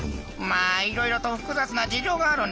まあいろいろと複雑な事情があるんだけどよ